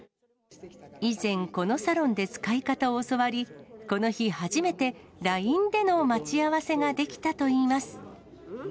以前、このサロンで使い方を教わり、この日、初めてＬＩＮＥでの待ち合わせができたといいます。